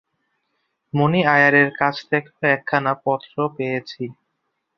মণি আয়ারের কাছ থেকেও একখানা পত্র পেয়েছি।